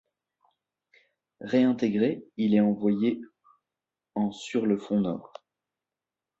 Réintégré, il est envoyé en sur le front Nord.